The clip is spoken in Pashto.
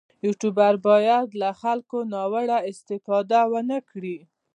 یوټوبر باید له خلکو ناوړه استفاده ونه کړي.